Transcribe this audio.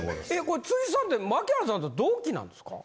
これさんって牧原さんと同期なんですか？